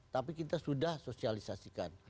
tapi kita sudah sosialisasikan